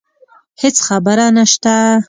هیڅ خبره نشته